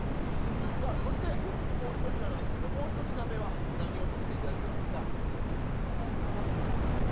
さあそしてもうひと品なんですけどもうひと品目は何を作って頂けるんですか？